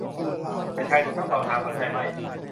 แต่ชายหนุ่มทั้งสองหาสนใจไม่